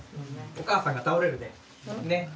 お母さんが倒れるで。ね。